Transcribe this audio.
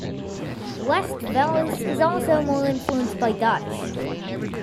West-Veluws is also more influenced by Dutch.